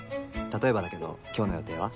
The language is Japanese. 例えばだけど今日の予定は？